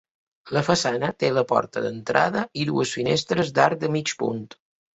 La façana té la porta d'entrada i dues finestres d'arc de mig punt.